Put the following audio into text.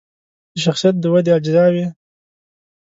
د شخصیت د ودې اجزاوې